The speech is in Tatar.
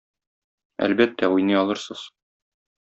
Әлбәттә, уйный алырсыз.